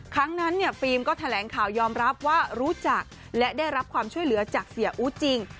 ครั้งนั้นเนี่ยฟิล์มก็แถลงข่าวยอมรับว่ารู้จักและได้รับความช่วยเหลือจากเสียอู๊ดจริง